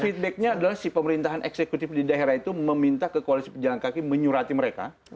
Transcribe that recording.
feedbacknya adalah si pemerintahan eksekutif di daerah itu meminta ke koalisi pejalan kaki menyurati mereka